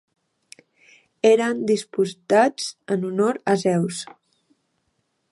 Eren disputats en honor a Zeus.